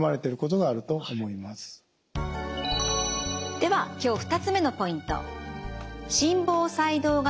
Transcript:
では今日２つ目のポイント。